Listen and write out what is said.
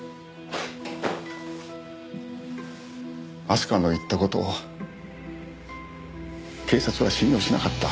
明日香の言った事を警察は信用しなかった。